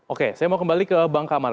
oke saya mau kembali ke bang kamar